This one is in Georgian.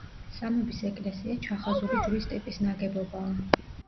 სამების ეკლესია „ჩახაზული ჯვრის ტიპის“ ნაგებობაა.